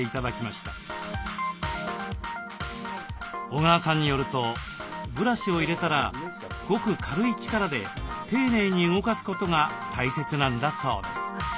小川さんによるとブラシを入れたらごく軽い力で丁寧に動かすことが大切なんだそうです。